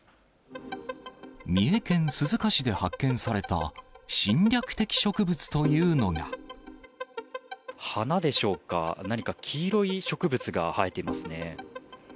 三重県鈴鹿市で発見された、花でしょうか、何か黄色い植物が生えていますね。